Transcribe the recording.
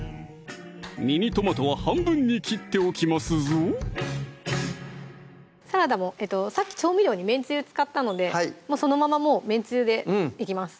ミニトマトは半分に切っておきますぞサラダもさっき調味料にめんつゆ使ったのでそのままもうめんつゆでいきます